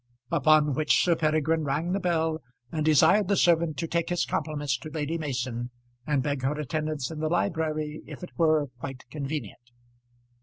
Upon which Sir Peregrine rang the bell and desired the servant to take his compliments to Lady Mason and beg her attendance in the library if it were quite convenient.